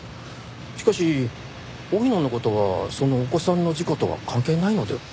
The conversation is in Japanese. しかし荻野の事はそのお子さんの事故とは関係ないのでは？